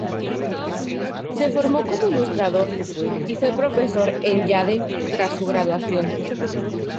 Se formó como ilustrador, y fue profesor en Yale tras su graduación.